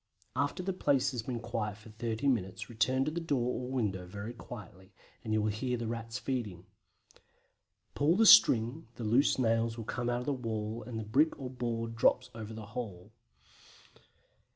After the place has been quiet for thirty minutes return to the door or window very quietly, and you will hear the Rats feeding. Pull the string, the loose nails come out of the wall and the brick or board drops over the hole.